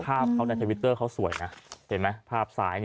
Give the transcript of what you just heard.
ภาพเขาในทวิตเตอร์เขาสวยนะเห็นไหมภาพซ้าย